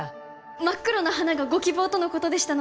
真っ黒な花がご希望とのことでしたので